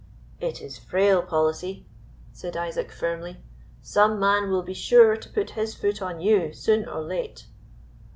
"It is frail policy," said Isaac, firmly. "Some man will be sure to put his foot on you, soon or late."